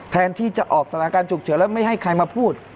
แทนที่จะออกสถานการณ์ฉุกเฉินแล้วไม่ให้ใครมาพูด